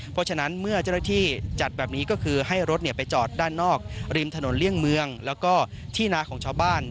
เพราะฉะนั้นเมื่อเจ้าหน้าที่จัดแบบนี้ก็คือให้รถไปจอดด้านนอกริมถนนเลี่ยงเมืองแล้วก็ที่นาของชาวบ้าน